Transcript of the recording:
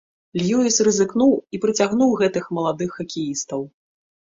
Льюіс рызыкнуў і прыцягнуў гэтых маладых хакеістаў.